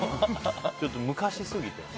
ちょっと昔すぎて。